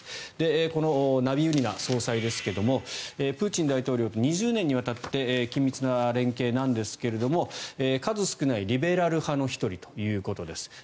このナビウリナ総裁ですがプーチン大統領と２０年にわたって緊密な連携なんですが数少ないリベラル派の１人ということです。